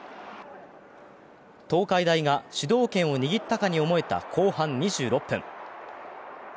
東海大が主導権を握ったかに思えた後半２６分。